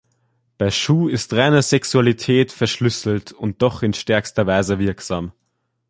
Bei Schu ist reine Sexualität verschlüsselt und doch in stärkster Weise wirksam.